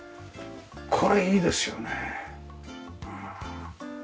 これいいですよねうん。